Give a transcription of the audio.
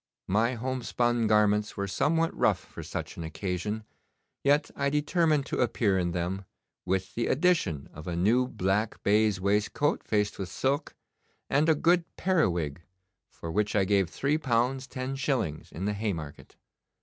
My homespun garments ware somewhat rough for such an occasion, yet I determined to appear in them, with the addition of a new black baize waistcoat faced with silk, and a good periwig, for which I gave three pounds ten shillings in the Haymarket.